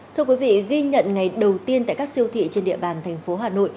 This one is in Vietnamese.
thưa quý vị ghi nhận ngày đầu tiên tại các siêu thị trên địa bàn tp hà nội